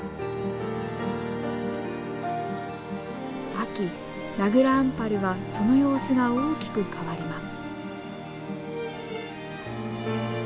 秋名蔵アンパルはその様子が大きく変わります。